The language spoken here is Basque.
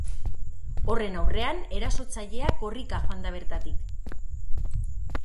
Horren aurrean, erasotzailea korrika joan da bertatik.